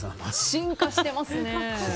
進化していますね。